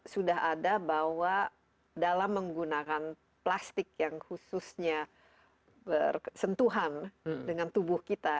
sudah ada bahwa dalam menggunakan plastik yang khususnya bersentuhan dengan tubuh kita